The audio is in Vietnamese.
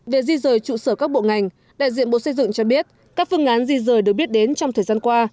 về di rời trụ sở các bộ ngành đại diện bộ xây dựng cho biết các phương án di rời được biết đến trong thời gian qua